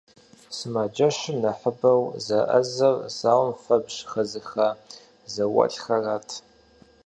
Сымаджэщым нэхъыбэу зэӀэзэр зауэм фэбжь хэзыха зауэлӀхэрат.